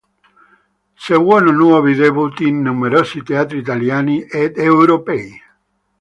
Seguono nuovi debutti in numerosi teatri italiani ed europei.